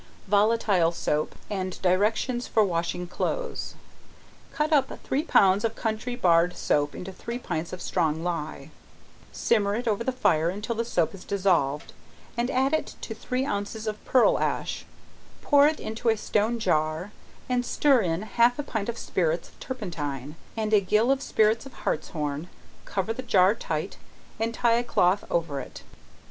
Volatile Soap, And Directions for Washing Clothes. Cut up three pounds of country bard soap into three pints of strong ley; simmer it over the fire until the soap is dissolved, and add to it three ounces of pearl ash, pour it into a stone jar, and stir in half a pint of spirits of turpentine, and a gill of spirits of hartshorn, cover the jar tight, and tie a cloth over it.